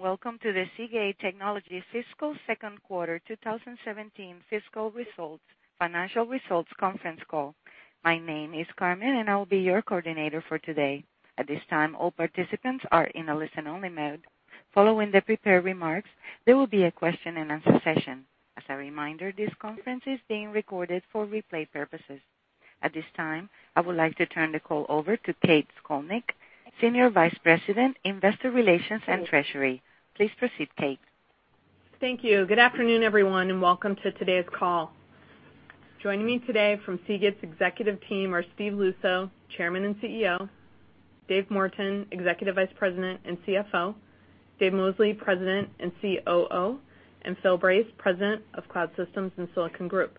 Morning, and welcome to the Seagate Technology fiscal second quarter 2017 financial results conference call. My name is Carmen, and I'll be your coordinator for today. At this time, all participants are in a listen-only mode. Following the prepared remarks, there will be a question-and-answer session. As a reminder, this conference is being recorded for replay purposes. At this time, I would like to turn the call over to Kate Scolnick, Senior Vice President, Investor Relations and Treasury. Please proceed, Kate. Thank you. Good afternoon, everyone, and welcome to today's call. Joining me today from Seagate's executive team are Steve Luczo, Chairman and CEO; Dave Morton, Executive Vice President and CFO; Dave Mosley, President and COO; and Phil Brace, President of Cloud Systems and Silicon Group.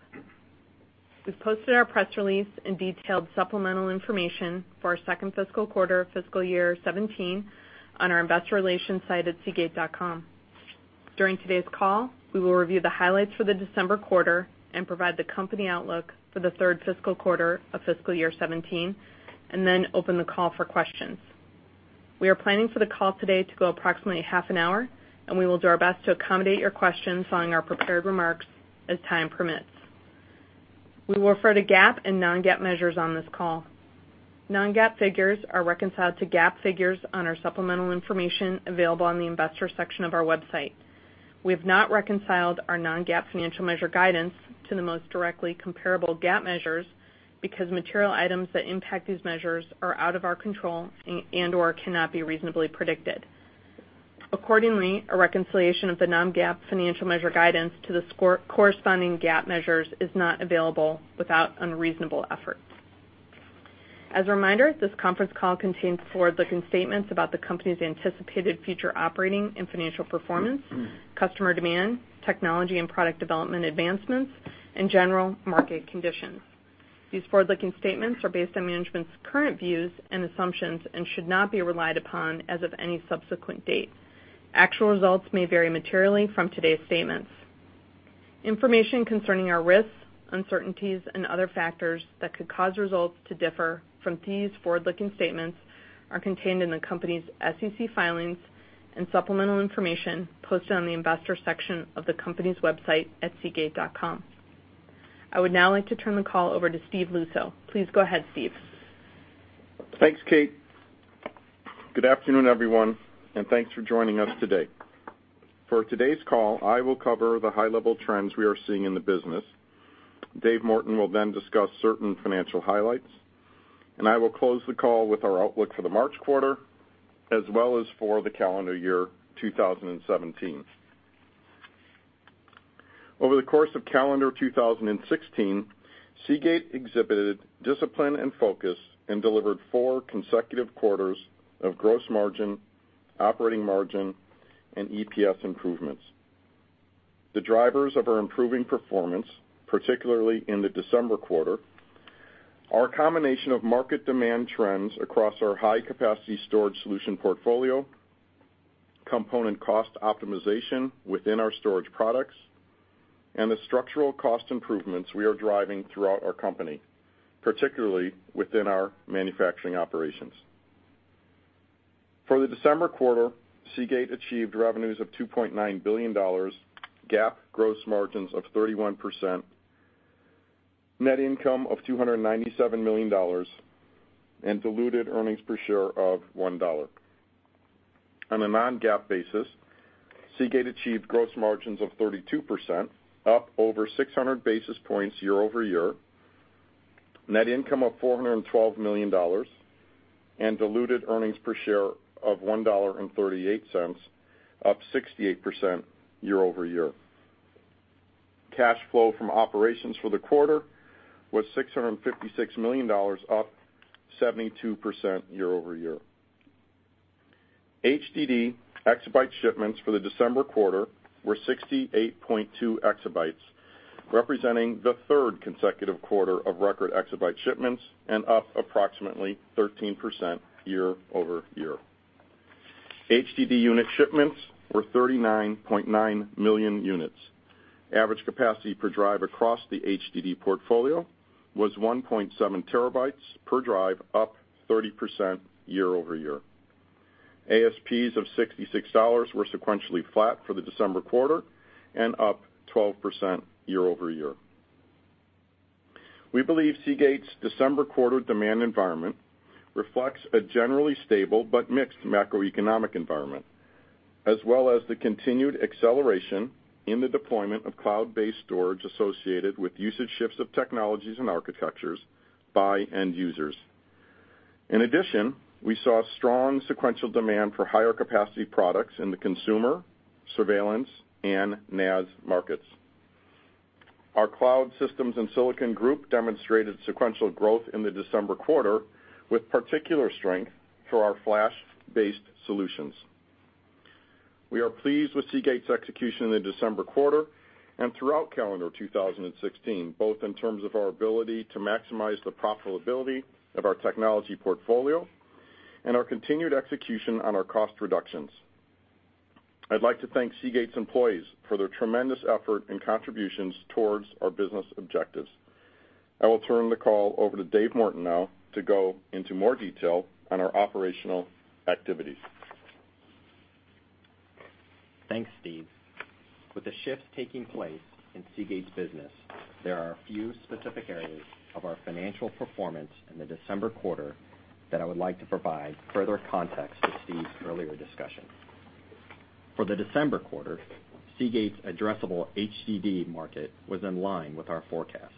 We've posted our press release in detailed supplemental information for our second fiscal quarter, FY '17 on our investor relations site at seagate.com. During today's call, we will review the highlights for the December quarter and provide the company outlook for the third fiscal quarter of FY '17. Then open the call for questions. We are planning for the call today to go approximately half an hour, and we will do our best to accommodate your questions following our prepared remarks as time permits. We will refer to GAAP and non-GAAP measures on this call. Non-GAAP figures are reconciled to GAAP figures on our supplemental information available on the investor section of our website. We have not reconciled our non-GAAP financial measure guidance to the most directly comparable GAAP measures, because material items that impact these measures are out of our control and/or cannot be reasonably predicted. Accordingly, a reconciliation of the non-GAAP financial measure guidance to the corresponding GAAP measures is not available without unreasonable effort. As a reminder, this conference call contains forward-looking statements about the company's anticipated future operating and financial performance, customer demand, technology and product development advancements, and general market conditions. These forward-looking statements are based on management's current views and assumptions and should not be relied upon as of any subsequent date. Actual results may vary materially from today's statements. Information concerning our risks, uncertainties, and other factors that could cause results to differ from these forward-looking statements are contained in the company's SEC filings and supplemental information posted on the investor section of the company's website at seagate.com. I would now like to turn the call over to Steve Luczo. Please go ahead, Steve. Thanks, Kate. Good afternoon, everyone, and thanks for joining us today. For today's call, I will cover the high-level trends we are seeing in the business. Dave Morton will then discuss certain financial highlights. I will close the call with our outlook for the March quarter, as well as for the calendar year 2017. Over the course of calendar 2016, Seagate exhibited discipline and focus and delivered four consecutive quarters of gross margin, operating margin, and EPS improvements. The drivers of our improving performance, particularly in the December quarter, are a combination of market demand trends across our high-capacity storage solution portfolio, component cost optimization within our storage products, and the structural cost improvements we are driving throughout our company, particularly within our manufacturing operations. For the December quarter, Seagate achieved revenues of $2.9 billion, GAAP gross margins of 31%, net income of $297 million, and diluted earnings per share of $1. On a non-GAAP basis, Seagate achieved gross margins of 32%, up over 600 basis points year-over-year, net income of $412 million, and diluted earnings per share of $1.38, up 68% year-over-year. Cash flow from operations for the quarter was $656 million, up 72% year-over-year. HDD exabyte shipments for the December quarter were 68.2 exabytes, representing the third consecutive quarter of record exabyte shipments and up approximately 13% year-over-year. HDD unit shipments were 39.9 million units. Average capacity per drive across the HDD portfolio was 1.7 terabytes per drive, up 30% year-over-year. ASPs of $66 were sequentially flat for the December quarter, and up 12% year-over-year. We believe Seagate's December quarter demand environment reflects a generally stable but mixed macroeconomic environment, as well as the continued acceleration in the deployment of cloud-based storage associated with usage shifts of technologies and architectures by end users. In addition, we saw strong sequential demand for higher capacity products in the consumer, surveillance, and NAS markets. Our Cloud Systems and Silicon Group demonstrated sequential growth in the December quarter, with particular strength for our flash-based solutions. We are pleased with Seagate's execution in the December quarter and throughout calendar 2016, both in terms of our ability to maximize the profitability of our technology portfolio and our continued execution on our cost reductions. I'd like to thank Seagate's employees for their tremendous effort and contributions towards our business objectives. I will turn the call over to Dave Morton now to go into more detail on our operational activities. Thanks, Steve. With the shift taking place in Seagate's business, there are a few specific areas of our financial performance in the December quarter that I would like to provide further context to Steve's earlier discussion. For the December quarter, Seagate's addressable HDD market was in line with our forecast.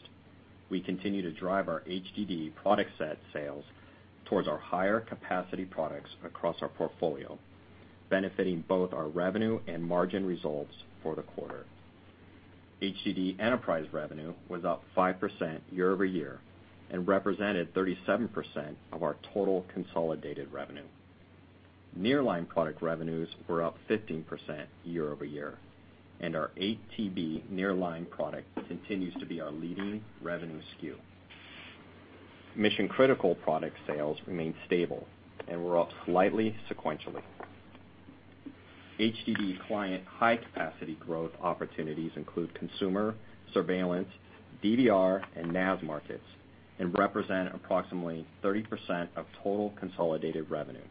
We continue to drive our HDD product set sales towards our higher capacity products across our portfolio, benefiting both our revenue and margin results for the quarter. HDD enterprise revenue was up 5% year-over-year and represented 37% of our total consolidated revenue. Nearline product revenues were up 15% year-over-year, and our 8 TB Nearline product continues to be our leading revenue SKU. Mission-critical product sales remained stable and were up slightly sequentially. HDD client high-capacity growth opportunities include consumer, surveillance, DVR, and NAS markets and represent approximately 30% of total consolidated revenue.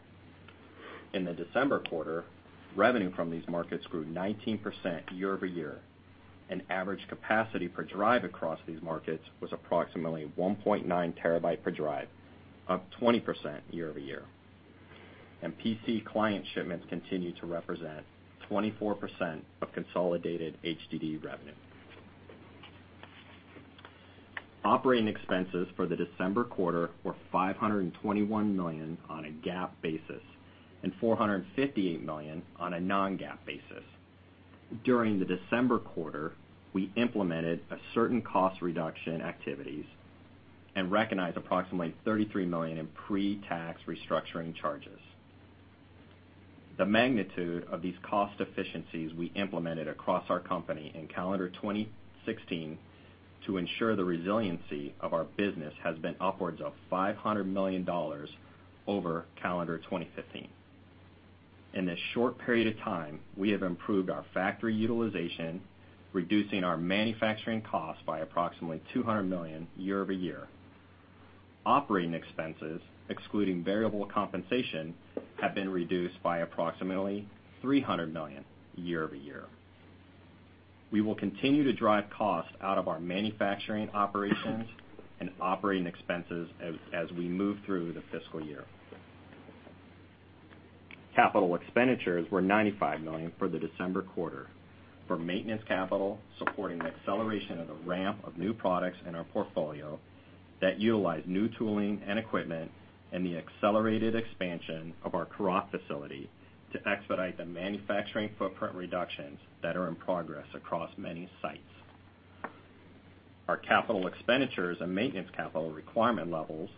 In the December quarter, revenue from these markets grew 19% year-over-year, and average capacity per drive across these markets was approximately 1.9 terabyte per drive, up 20% year-over-year. PC client shipments continue to represent 24% of consolidated HDD revenue. Operating expenses for the December quarter were $521 million on a GAAP basis and $458 million on a non-GAAP basis. During the December quarter, we implemented a certain cost reduction activities and recognized approximately $33 million in pre-tax restructuring charges. The magnitude of these cost efficiencies we implemented across our company in calendar 2016 to ensure the resiliency of our business has been upwards of $500 million over calendar 2015. In this short period of time, we have improved our factory utilization, reducing our manufacturing costs by approximately $200 million year-over-year. Operating expenses, excluding variable compensation, have been reduced by approximately $300 million year-over-year. We will continue to drive costs out of our manufacturing operations and operating expenses as we move through the fiscal year. Capital expenditures were $95 million for the December quarter for maintenance capital, supporting the acceleration of the ramp of new products in our portfolio that utilize new tooling and equipment, and the accelerated expansion of our Korat facility to expedite the manufacturing footprint reductions that are in progress across many sites. Our capital expenditures and maintenance capital requirement levels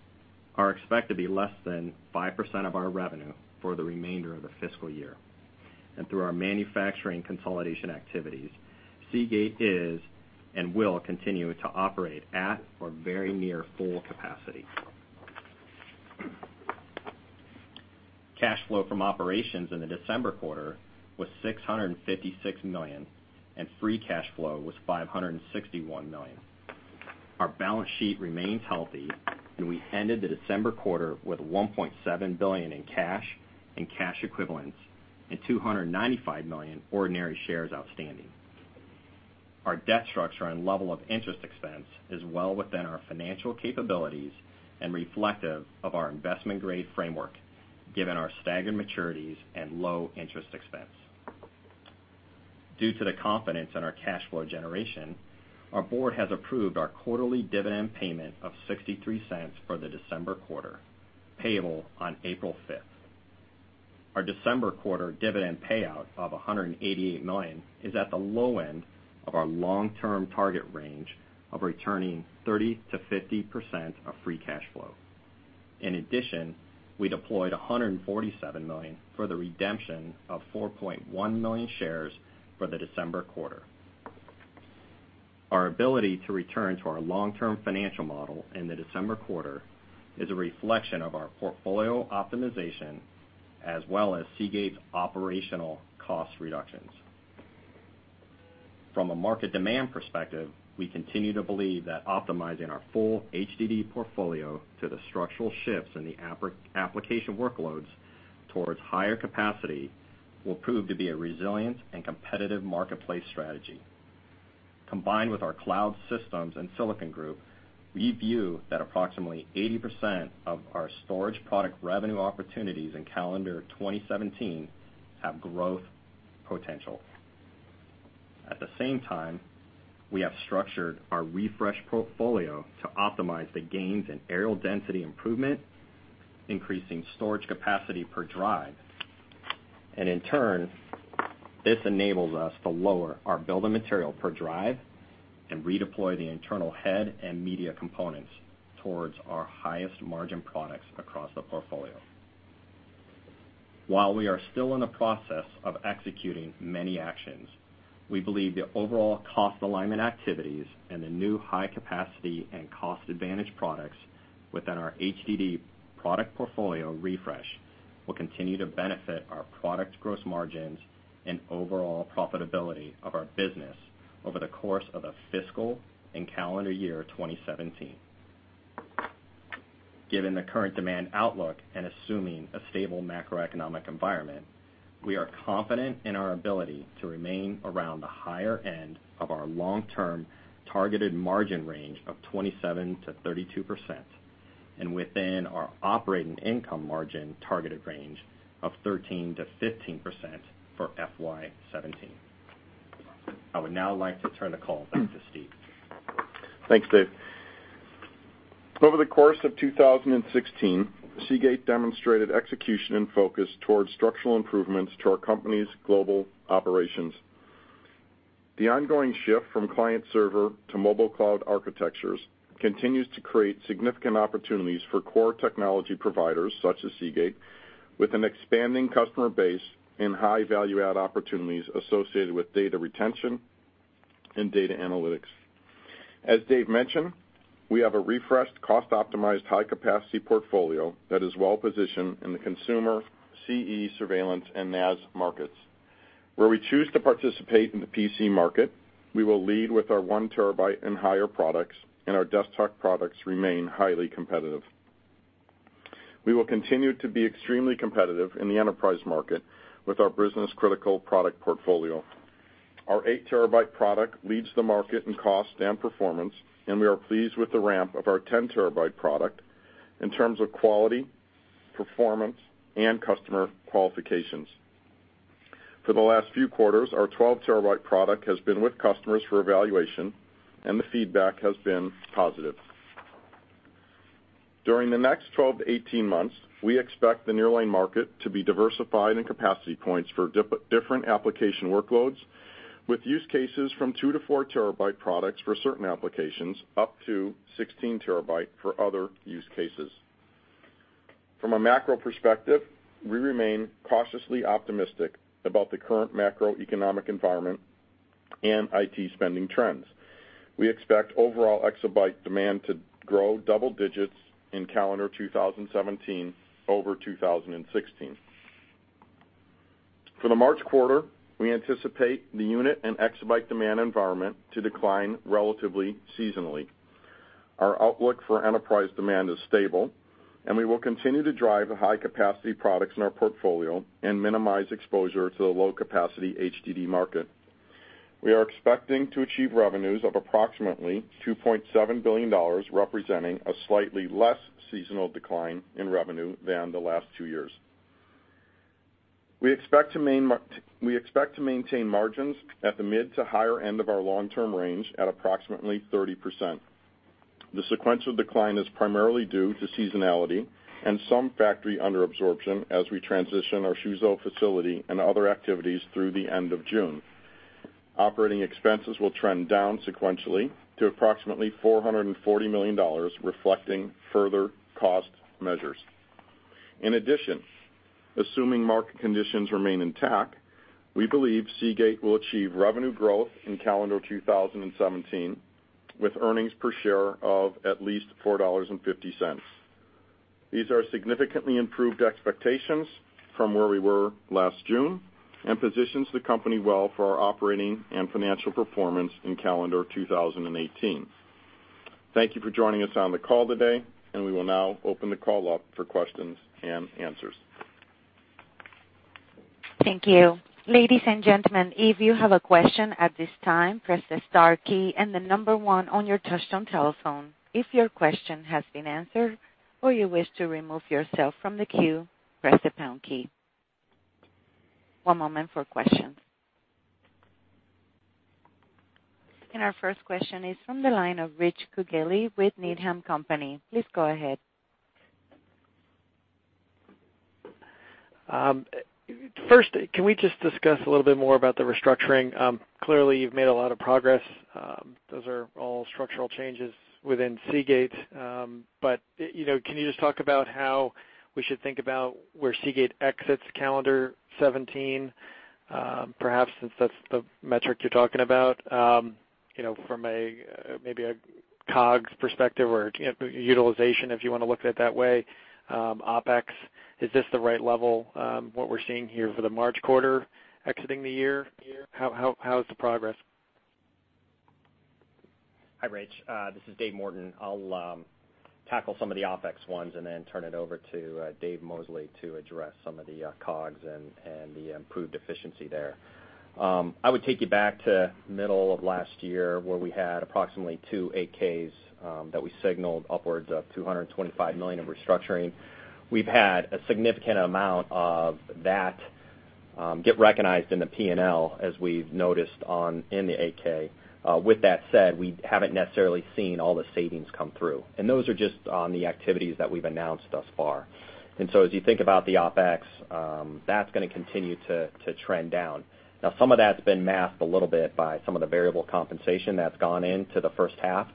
are expected to be less than 5% of our revenue for the remainder of the fiscal year. Through our manufacturing consolidation activities, Seagate is and will continue to operate at or very near full capacity. Cash flow from operations in the December quarter was $656 million, and free cash flow was $561 million. Our balance sheet remains healthy, and we ended the December quarter with $1.7 billion in cash and cash equivalents and 295 million ordinary shares outstanding. Our debt structure and level of interest expense is well within our financial capabilities and reflective of our investment-grade framework, given our staggered maturities and low interest expense. Due to the confidence in our cash flow generation, our board has approved our quarterly dividend payment of $0.63 for the December quarter, payable on April 5. Our December quarter dividend payout of $188 million is at the low end of our long-term target range of returning 30%-50% of free cash flow. In addition, we deployed $147 million for the redemption of 4.1 million shares for the December quarter. Our ability to return to our long-term financial model in the December quarter is a reflection of our portfolio optimization as well as Seagate's operational cost reductions. From a market demand perspective, we continue to believe that optimizing our full HDD portfolio to the structural shifts in the application workloads towards higher capacity will prove to be a resilient and competitive marketplace strategy. Combined with our Cloud Systems and Silicon Group, we view that approximately 80% of our storage product revenue opportunities in calendar 2017 have growth potential. At the same time, we have structured our refresh portfolio to optimize the gains in areal density improvement, increasing storage capacity per drive. In turn, this enables us to lower our bill of materials per drive and redeploy the internal head and media components towards our highest margin products across the portfolio. While we are still in the process of executing many actions, we believe the overall cost alignment activities and the new high-capacity and cost-advantage products within our HDD product portfolio refresh will continue to benefit our product gross margins and overall profitability of our business over the course of the fiscal and calendar year 2017. Given the current demand outlook and assuming a stable macroeconomic environment, we are confident in our ability to remain around the higher end of our long-term targeted margin range of 27%-32%, and within our operating income margin targeted range of 13%-15% for FY '17. I would now like to turn the call back to Steve. Thanks, Dave. Over the course of 2016, Seagate demonstrated execution and focus towards structural improvements to our company's global operations. The ongoing shift from client server to mobile cloud architectures continues to create significant opportunities for core technology providers such as Seagate, with an expanding customer base and high value-add opportunities associated with data retention and data analytics. As Dave mentioned, we have a refreshed cost-optimized high-capacity portfolio that is well-positioned in the consumer, CE, surveillance, and NAS markets. Where we choose to participate in the PC market, we will lead with our one terabyte and higher products, and our desktop products remain highly competitive. We will continue to be extremely competitive in the enterprise market with our business-critical product portfolio. Our eight terabyte product leads the market in cost and performance, and we are pleased with the ramp of our 10 terabyte product in terms of quality, performance, and customer qualifications. For the last few quarters, our 12 terabyte product has been with customers for evaluation and the feedback has been positive. During the next 12 to 18 months, we expect the Nearline market to be diversified in capacity points for different application workloads, with use cases from two to four terabyte products for certain applications, up to 16 terabyte for other use cases. From a macro perspective, we remain cautiously optimistic about the current macroeconomic environment and IT spending trends. We expect overall exabyte demand to grow double digits in calendar 2017 over 2016. For the March quarter, we anticipate the unit and exabyte demand environment to decline relatively seasonally. Our outlook for enterprise demand is stable, we will continue to drive the high-capacity products in our portfolio and minimize exposure to the low-capacity HDD market. We are expecting to achieve revenues of approximately $2.7 billion, representing a slightly less seasonal decline in revenue than the last two years. We expect to maintain margins at the mid to higher end of our long-term range at approximately 30%. The sequential decline is primarily due to seasonality and some factory underabsorption as we transition our Suzhou facility and other activities through the end of June. Operating expenses will trend down sequentially to approximately $440 million, reflecting further cost measures. In addition, assuming market conditions remain intact, we believe Seagate will achieve revenue growth in calendar 2017, with earnings per share of at least $4.50. These are significantly improved expectations from where we were last June and positions the company well for our operating and financial performance in calendar 2018. Thank you for joining us on the call today. We will now open the call up for questions and answers. Thank you. Ladies and gentlemen, if you have a question at this time, press the star key and the number one on your touchtone telephone. If your question has been answered or you wish to remove yourself from the queue, press the pound key. One moment for questions. Our first question is from the line of Rich Kugele with Needham & Company. Please go ahead. First, can we just discuss a little bit more about the restructuring? Clearly, you've made a lot of progress. Those are all structural changes within Seagate. Can you just talk about how we should think about where Seagate exits calendar 2017, perhaps, since that's the metric you're talking about, from maybe a COGS perspective or utilization, if you want to look at it that way, OpEx, is this the right level, what we're seeing here for the March quarter exiting the year? How's the progress? Hi, Rich. This is Dave Morton. I'll tackle some of the OpEx ones and then turn it over to Dave Mosley to address some of the COGS and the improved efficiency there. I would take you back to middle of last year where we had approximately two 8-Ks that we signaled upwards of $225 million in restructuring. We've had a significant amount of that get recognized in the P&L as we've noticed in the 8-K. With that said, we haven't necessarily seen all the savings come through. Those are just on the activities that we've announced thus far. As you think about the OpEx, that's going to continue to trend down. Some of that's been masked a little bit by some of the variable compensation that's gone into the first half,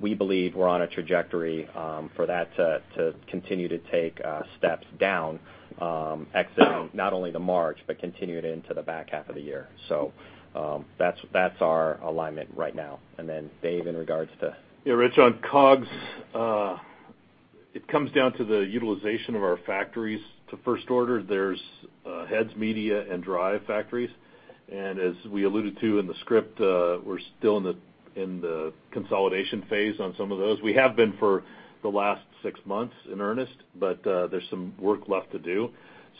we believe we're on a trajectory for that to continue to take steps down exiting not only the March, but continued into the back half of the year. That's our alignment right now. Dave, in regards to Rich, on COGS It comes down to the utilization of our factories to first order. There's heads, media, and drive factories. As we alluded to in the script, we're still in the consolidation phase on some of those. We have been for the last six months in earnest, there's some work left to do.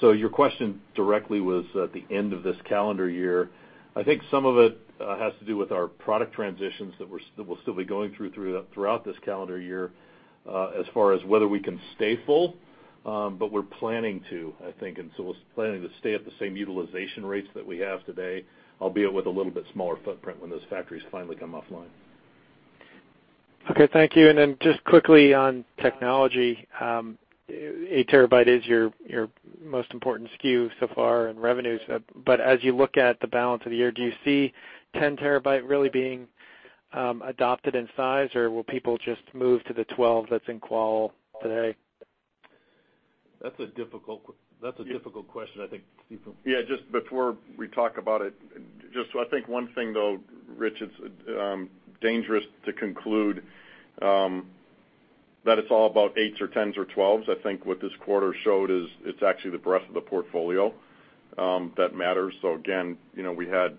Your question directly was at the end of this calendar year. I think some of it has to do with our product transitions that we'll still be going through throughout this calendar year as far as whether we can stay full. We're planning to, I think, we're planning to stay at the same utilization rates that we have today, albeit with a little bit smaller footprint when those factories finally come offline. Okay. Thank you. Just quickly on technology, eight terabyte is your most important SKU so far in revenues. As you look at the balance of the year, do you see 10 terabyte really being adopted in size, or will people just move to the 12 that's in qual today? That's a difficult question, I think, Stephen. Yeah, just before we talk about it, I think one thing though, Rich, it's dangerous to conclude that it's all about 8s or 10s or 12s. I think what this quarter showed is it's actually the breadth of the portfolio that matters. Again, we had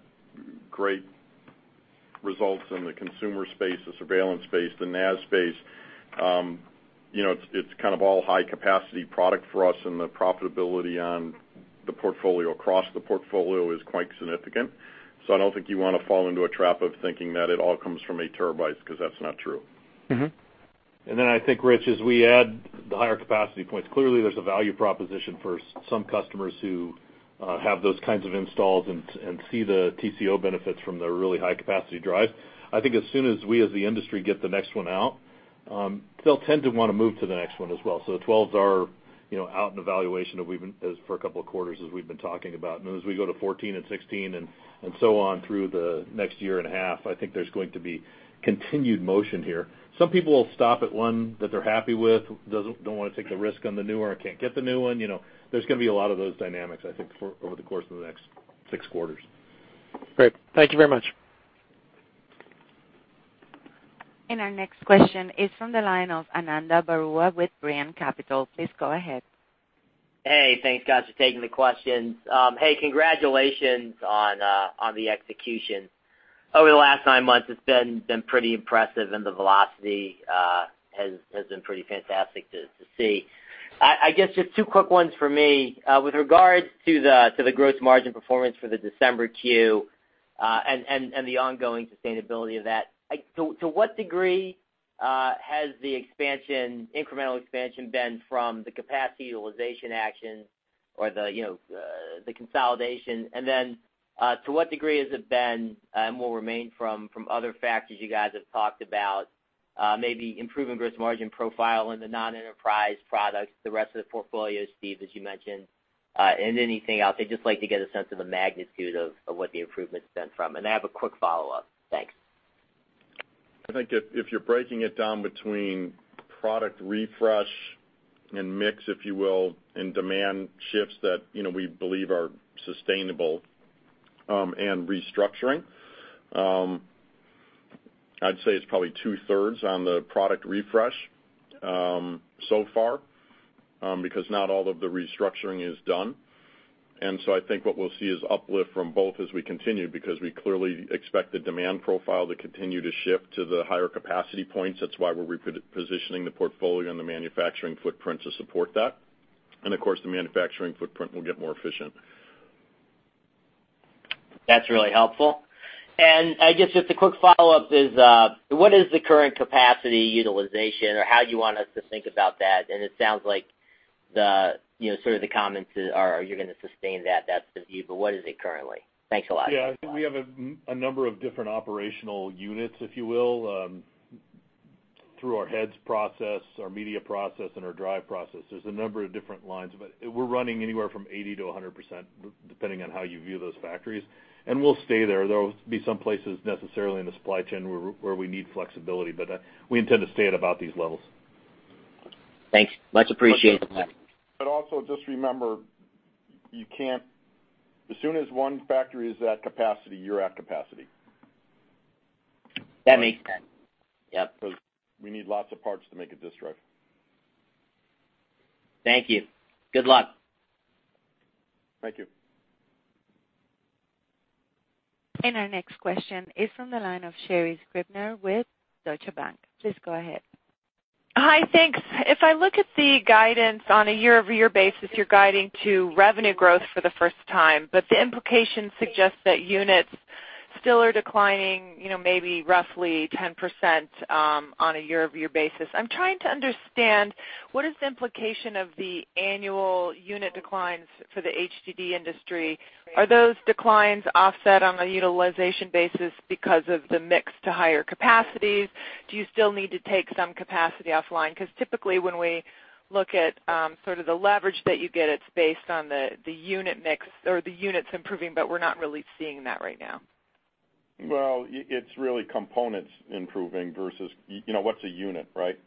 great results in the consumer space, the surveillance space, the NAS space. It's all high-capacity product for us, and the profitability on the portfolio, across the portfolio is quite significant. I don't think you want to fall into a trap of thinking that it all comes from eight terabytes, because that's not true. Then I think, Rich, as we add the higher capacity points, clearly there's a value proposition for some customers who have those kinds of installs and see the TCO benefits from the really high-capacity drive. I think as soon as we as the industry get the next one out, they'll tend to want to move to the next one as well. The 12s are out in evaluation for a couple of quarters as we've been talking about. As we go to 14 and 16 and so on through the next year and a half, I think there's going to be continued motion here. Some people will stop at one that they're happy with, don't want to take the risk on the newer, can't get the new one. There's going to be a lot of those dynamics, I think, over the course of the next six quarters. Great. Thank you very much. Our next question is from the line of Ananda Baruah with Loop Capital. Please go ahead. Hey, thanks guys for taking the questions. Hey, congratulations on the execution. Over the last nine months, it's been pretty impressive, and the velocity has been pretty fantastic to see. I guess just two quick ones for me. With regards to the gross margin performance for the December Q, and the ongoing sustainability of that, to what degree has the incremental expansion been from the capacity utilization action or the consolidation? Then to what degree has it been and will remain from other factors you guys have talked about, maybe improving gross margin profile in the non-enterprise products, the rest of the portfolio, Steve, as you mentioned, and anything else? I'd just like to get a sense of the magnitude of what the improvement's been from. I have a quick follow-up. Thanks. I think if you're breaking it down between product refresh and mix, if you will, and demand shifts that we believe are sustainable, and restructuring, I'd say it's probably two-thirds on the product refresh so far because not all of the restructuring is done. So I think what we'll see is uplift from both as we continue because we clearly expect the demand profile to continue to shift to the higher capacity points. That's why we're repositioning the portfolio and the manufacturing footprint to support that. Of course, the manufacturing footprint will get more efficient. That's really helpful. I guess just a quick follow-up is, what is the current capacity utilization or how you want us to think about that? It sounds like the comments are you're going to sustain that's the view, but what is it currently? Thanks a lot. Yeah. I think we have a number of different operational units, if you will, through our heads process, our media process, and our drive process. There's a number of different lines. We're running anywhere from 80%-100%, depending on how you view those factories. We'll stay there. There will be some places necessarily in the supply chain where we need flexibility, but we intend to stay at about these levels. Thanks. Much appreciated. Also just remember, as soon as one factory is at capacity, you're at capacity. That makes sense. Yep. Because we need lots of parts to make a disk drive. Thank you. Good luck. Thank you. Our next question is from the line of Sherri Scribner with Deutsche Bank. Please go ahead. Hi. Thanks. If I look at the guidance on a year-over-year basis, you're guiding to revenue growth for the first time. The implications suggest that units still are declining maybe roughly 10% on a year-over-year basis. I'm trying to understand what is the implication of the annual unit declines for the HDD industry? Are those declines offset on a utilization basis because of the mix to higher capacities? Do you still need to take some capacity offline? Typically when we look at the leverage that you get, it's based on the unit mix or the units improving, but we're not really seeing that right now. It's really components improving versus what's a unit, right?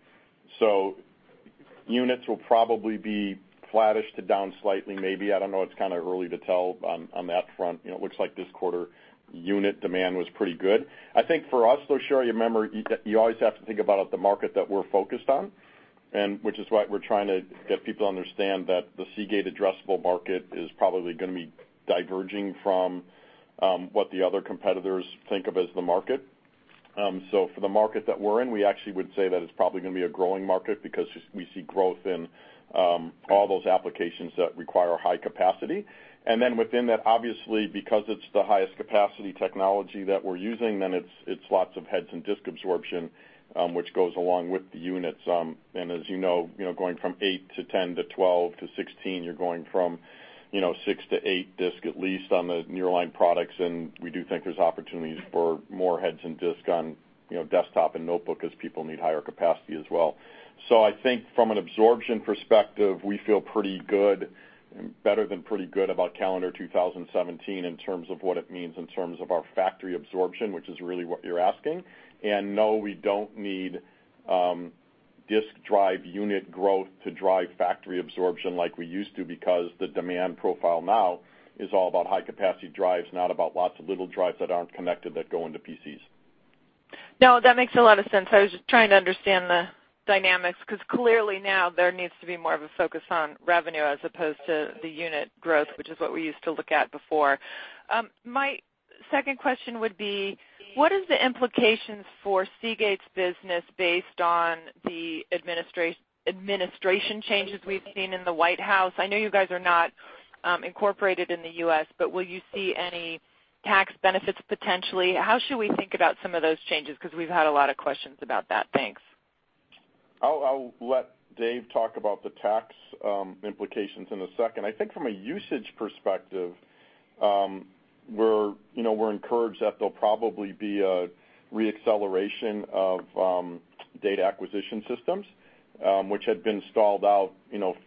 Units will probably be flattish to down slightly, maybe. I don't know. It's early to tell on that front. It looks like this quarter unit demand was pretty good. I think for us, though, Sherri, remember, you always have to think about the market that we're focused on. Which is why we're trying to get people to understand that the Seagate addressable market is probably going to be diverging from what the other competitors think of as the market. For the market that we're in, we actually would say that it's probably going to be a growing market because we see growth in all those applications that require high capacity. Within that, obviously, because it's the highest capacity technology that we're using, then it's lots of heads and disk absorption, which goes along with the units. As you know, going from 8 to 10 to 12 to 16, you're going from 6 to 8 disk at least on the Nearline products. We do think there's opportunities for more heads and disk on desktop and notebook as people need higher capacity as well. I think from an absorption perspective, we feel pretty good and better than pretty good about calendar 2017 in terms of what it means in terms of our factory absorption, which is really what you're asking. No, we don't need disk drive unit growth to drive factory absorption like we used to because the demand profile now is all about high-capacity drives, not about lots of little drives that aren't connected that go into PCs. No, that makes a lot of sense. I was just trying to understand the dynamics, because clearly now there needs to be more of a focus on revenue as opposed to the unit growth, which is what we used to look at before. My second question would be, what is the implications for Seagate's business based on the administration changes we've seen in the White House? I know you guys are not incorporated in the U.S., but will you see any tax benefits potentially? How should we think about some of those changes? We've had a lot of questions about that. Thanks. I'll let Dave talk about the tax implications in a second. I think from a usage perspective, we're encouraged that there'll probably be a re-acceleration of data acquisition systems, which had been stalled out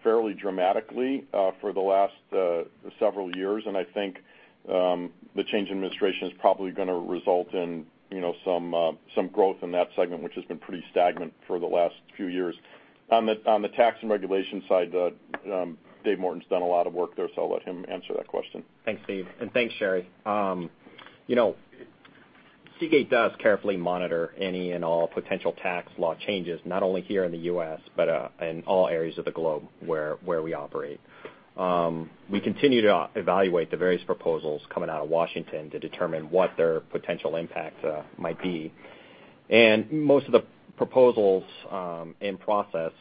fairly dramatically for the last several years. I think the change in administration is probably going to result in some growth in that segment, which has been pretty stagnant for the last few years. On the tax and regulation side, Dave Morton's done a lot of work there. I'll let him answer that question. Thanks, Steve. Thanks, Sherri. Seagate does carefully monitor any and all potential tax law changes, not only here in the U.S., but in all areas of the globe where we operate. We continue to evaluate the various proposals coming out of Washington to determine what their potential impact might be. Most of the proposals in process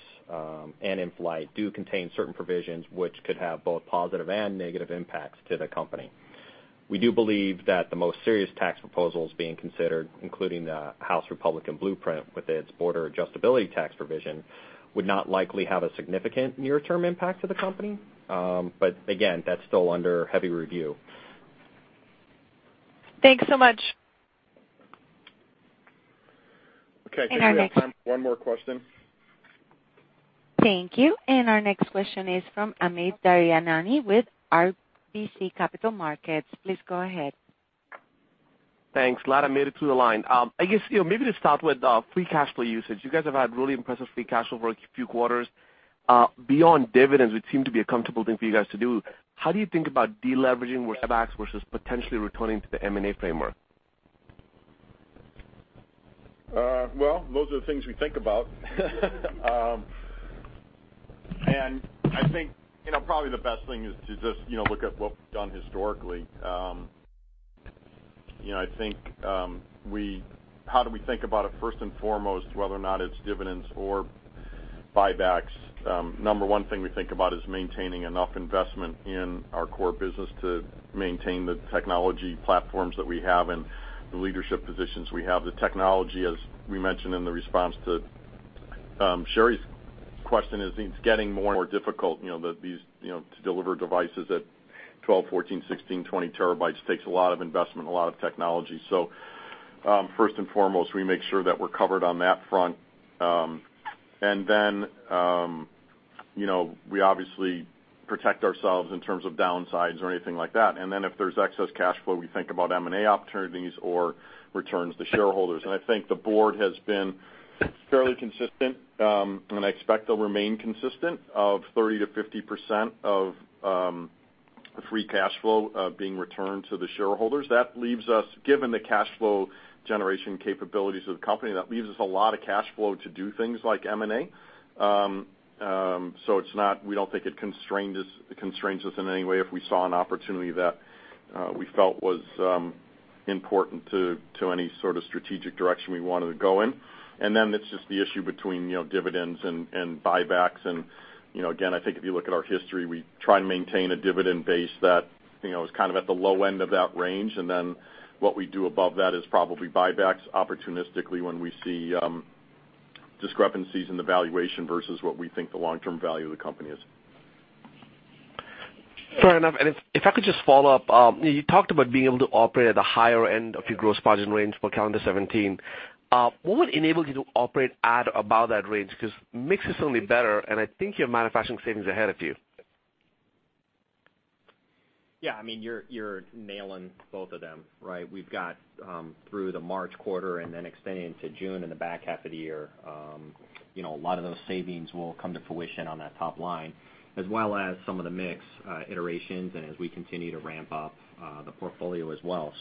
and in flight do contain certain provisions which could have both positive and negative impacts to the company. We do believe that the most serious tax proposals being considered, including the House Republican blueprint with its border adjustment tax provision, would not likely have a significant near-term impact to the company. Again, that's still under heavy review. Thanks so much. Okay- Our next I think we have time for one more question. Thank you. Our next question is from Amit Daryanani with RBC Capital Markets. Please go ahead. Thanks. Glad I made it through the line. I guess maybe to start with free cash flow usage. You guys have had really impressive free cash flow a few quarters. Beyond dividends, which seem to be a comfortable thing for you guys to do, how do you think about de-leveraging with buybacks versus potentially returning to the M&A framework? Those are the things we think about. I think probably the best thing is to just look at what we've done historically. I think how do we think about it, first and foremost, whether or not it's dividends or buybacks. Number one thing we think about is maintaining enough investment in our core business to maintain the technology platforms that we have and the leadership positions we have. The technology, as we mentioned in the response to Sherri's question, is it's getting more and more difficult to deliver devices at 12, 14, 16, 20 terabytes. It takes a lot of investment, a lot of technology. First and foremost, we make sure that we're covered on that front. We obviously protect ourselves in terms of downsides or anything like that. If there's excess cash flow, we think about M&A opportunities or returns to shareholders. I think the board has been fairly consistent, and I expect they'll remain consistent of 30%-50% of free cash flow being returned to the shareholders. Given the cash flow generation capabilities of the company, that leaves us a lot of cash flow to do things like M&A. We don't think it constrains us in any way if we saw an opportunity that we felt was important to any sort of strategic direction we wanted to go in. It's just the issue between dividends and buybacks. I think if you look at our history, we try and maintain a dividend base that is at the low end of that range. What we do above that is probably buybacks opportunistically when we see discrepancies in the valuation versus what we think the long-term value of the company is. Fair enough. If I could just follow up, you talked about being able to operate at the higher end of your gross margin range for calendar 2017. What would enable you to operate at about that range? Mix is certainly better, and I think you have manufacturing savings ahead of you. You're nailing both of them. We've got through the March quarter and then extending into June and the back half of the year. A lot of those savings will come to fruition on that top line, as well as some of the mix iterations and as we continue to ramp up the portfolio as well.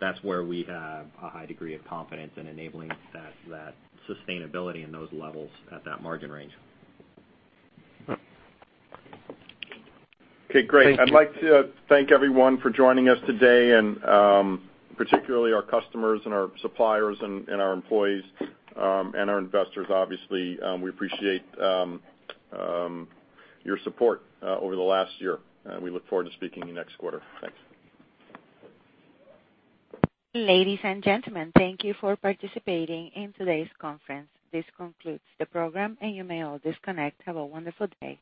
That's where we have a high degree of confidence in enabling that sustainability in those levels at that margin range. Okay, great. Thank you. I'd like to thank everyone for joining us today, and particularly our customers and our suppliers and our employees, and our investors, obviously. We appreciate your support over the last year. We look forward to speaking to you next quarter. Thanks. Ladies and gentlemen, thank you for participating in today's conference. This concludes the program, and you may all disconnect. Have a wonderful day.